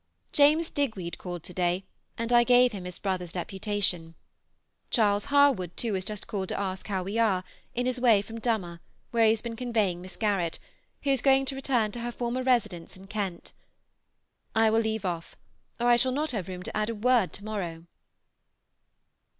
James Digweed called to day, and I gave him his brother's deputation. Charles Harwood, too, has just called to ask how we are, in his way from Dummer, whither he has been conveying Miss Garrett, who is going to return to her former residence in Kent. I will leave off, or I shall not have room to add a word to morrow.